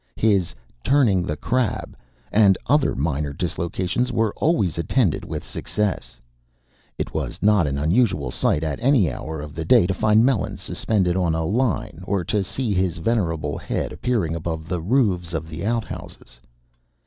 His "turning the crab," and other minor dislocations, were always attended with success. It was not an unusual sight at any hour of the day to find Melons suspended on a line, or to see his venerable head appearing above the roofs of the outhouses.